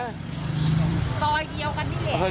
ต่อเกียวกันนี่เหรียด